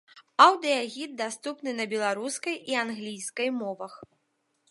Аўдыягід даступны на беларускай і англійскай мовах.